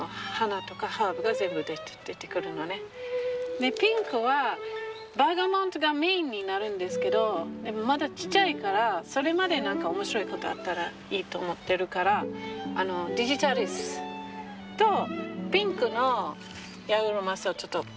でピンクはベルガモットがメインになるんですけどまだ小さいからそれまで何か面白いことがあったらいいと思ってるからジギタリスとピンクのヤグルマソウちょっと買いました。